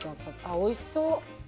おいしそう。